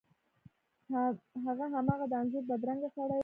هغه هماغه د انځور بدرنګه سړی و.